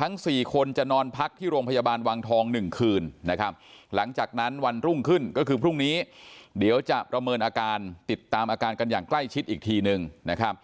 ทั้ง๔คนจะนอนพักที่โรงพยาบาลวังทอง๑คืนนะครับหลังจากนั้นวันรุ่งขึ้นก็คือพรุ่งนี้เดี๋ยวจะประเมินอาการติดตามอาการกันอย่างใกล้ชิดอีกทีนึงนะครับ